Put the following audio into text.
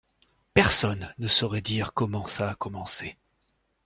Personne ne saurait dire comment ça a commencé.